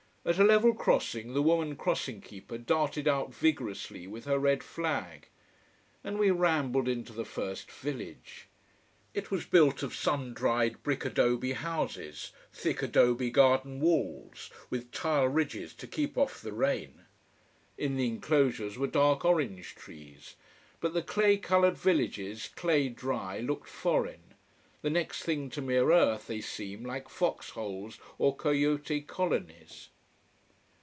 At a level crossing the woman crossing keeper darted out vigorously with her red flag. And we rambled into the first village. It was built of sun dried brick adobe houses, thick adobe garden walls, with tile ridges to keep off the rain. In the enclosures were dark orange trees. But the clay coloured villages, clay dry, looked foreign: the next thing to mere earth they seem, like fox holes or coyote colonies.